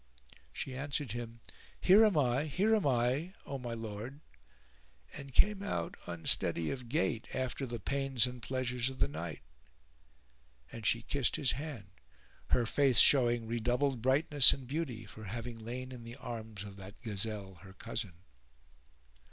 She answered him, "Here am I! here am I!" [FN#437] O my lord," and came out unsteady of gait after the pains and pleasures of the night; and she kissed his hand, her face showing redoubled brightness and beauty for having lain in the arms of that gazelle, her cousin.